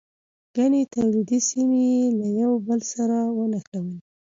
ګڼې تولیدي سیمې یې له یو بل سره ونښلولې.